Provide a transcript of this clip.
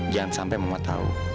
jangan sampai mama tau